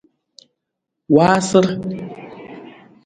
Waasar.